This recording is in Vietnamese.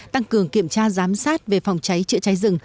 tăng cường kiểm tra giám sát về phòng cháy chữa cháy rừng